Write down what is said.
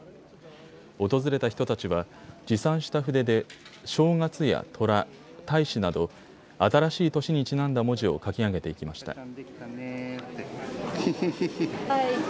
訪れた人たちは持参した筆で正月やとら、大志など新しい年にちなんだ文字を書き上げていきました。